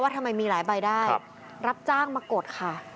ทำไมมีหลายใบได้รับจ้างมากดค่ะ